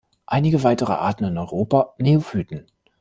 Einige weitere Arten in Europa Neophyten.